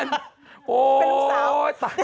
เป็นลูกสาว